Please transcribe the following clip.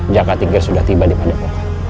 jaga tinggi sudah tiba di pandemi